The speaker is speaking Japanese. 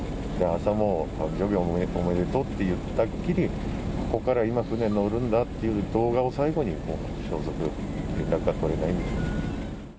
朝も誕生日おめでとうって言ったっきり、ここから今、船乗るんだっていう動画を最後に、消息、連絡が取れないんですよ。